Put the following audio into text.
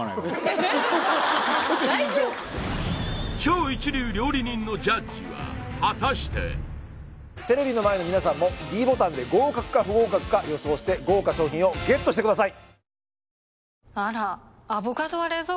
超一流料理人のジャッジは果たしてテレビの前の皆さんもｄボタンで合格か不合格か予想して豪華賞品をＧＥＴしてください